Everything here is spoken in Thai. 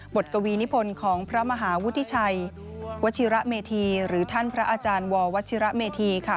กวีนิพลของพระมหาวุฒิชัยวชิระเมธีหรือท่านพระอาจารย์ววัชิระเมธีค่ะ